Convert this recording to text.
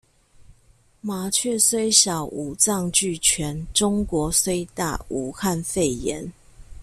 麻雀雖小，五臟俱全；中國雖大，武漢肺炎